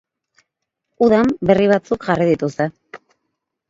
Udan berri batzuk jarri dituzte.